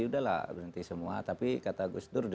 sudah lah berhenti semua tapi kata gus dur